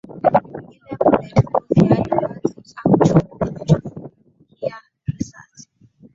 ile bullet proof yaani vazi au chombo kinachozuhia risasi